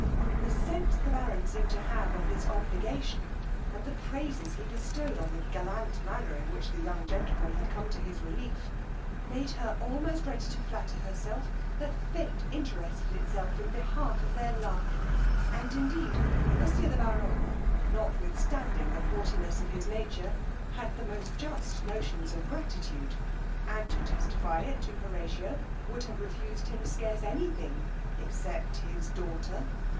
The sense the baron seemed to have of this obligation, and the praises he bestowed on the gallant manner in which the young gentleman came to his relief, made her almost ready to flatter herself that fate interested itself in behalf of their love; and indeed monsieur the baron, notwithstanding the haughtiness of his nature, had the most just notions of gratitude; and to testify it to Horatio, would have refused him scarce any thing except his daughter.